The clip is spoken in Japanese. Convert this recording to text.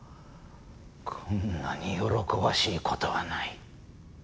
こんなに喜ばしい事はない。